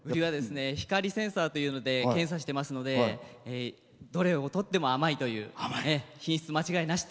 光センサーというので検査してますのでどれをとっても甘いという品質間違いなし。